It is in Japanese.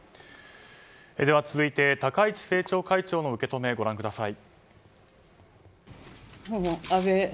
では続いて高市政調会長の受け止めご覧ください。